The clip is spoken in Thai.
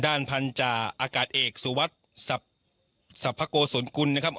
ด้านพันธาอากาศเอกสุวัสดิ์สรรพโกศลกุลนะครับ